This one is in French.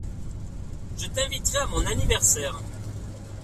Je t'inviterai à mon anniversaire.